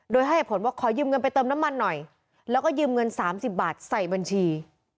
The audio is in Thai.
โดยให้เหตุผลว่าขอยืมเงินไปเติมน้ำมันหน่อยแล้วก็ยืมเงิน๓๐บาทใส่บัญชี